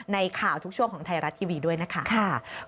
ในข่าวทุกช่วงของไทยรัฐทีวีด้วยนะคะ